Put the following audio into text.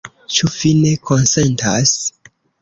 Ĉu vi ne konsentas?